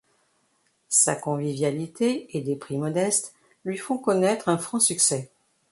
Sa convivialité et des prix modestes lui font connaître un franc succès.